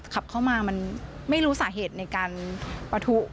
ขับเข้ามามันไม่รู้สาเหตุในการประทุ